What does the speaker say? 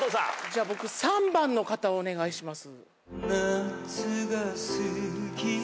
じゃあ僕３番の方お願いします。